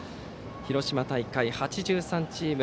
広島大会８３チーム